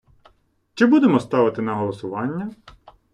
Чи будемо ставити на голосування?